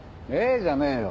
じゃねえよ。